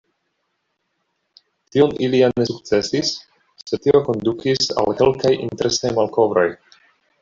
Tion ili ja ne sukcesis, sed tio kondukis al kelkaj interesaj malkovroj.